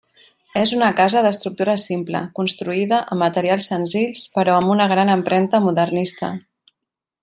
És una casa d'estructura simple, construïda amb materials senzills però amb una gran empremta modernista.